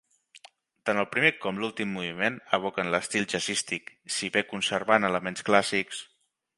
Tant el primer com l'últim moviment evoquen l'estil jazzístic, si bé conservant elements clàssics.